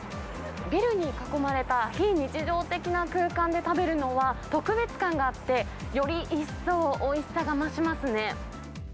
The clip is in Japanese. ビルに囲まれた非日常的な空間で食べるのは、特別感があって、より一層、おいしさが増しますね。